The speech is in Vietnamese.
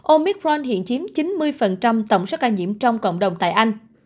omicron hiện chiếm chín mươi tổng số ca nhiễm trong cộng đồng tại anh